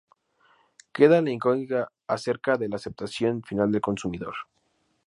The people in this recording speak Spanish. Queda la incógnita acerca de la aceptación final del consumidor.